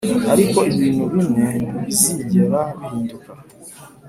ariko ibintu bimwe ntibizigera bihinduka